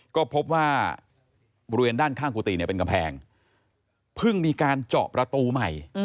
ก็พบว่าบริเวณด้านข้างกุฏิเนี่ยเป็นกำแพงเพิ่งมีการเจาะประตูใหม่